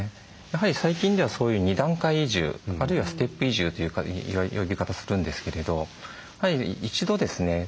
やはり最近ではそういう二段階移住あるいはステップ移住という呼び方するんですけれど一度ですね